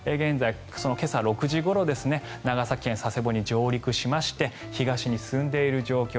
今朝６時ごろ長崎県佐世保に上陸しまして東に進んでいる状況。